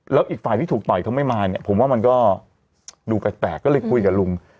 แล้วอีกฝ่ายที่ถูกต่อยเขาไม่มาเนี่ยผมว่ามันก็ดูแปลกก็เลยคุยกับลุง